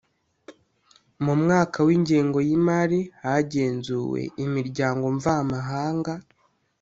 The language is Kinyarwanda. mu mwaka w ingengo y imari hagenzuwe imiryango mvamahanga